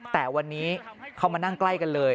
แต่วันนี้เขามานั่งใกล้กันเลย